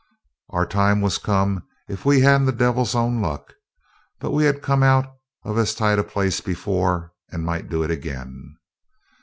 Our time was come if we hadn't the devil's own luck; but we had come out of as tight a place before, and might do it again.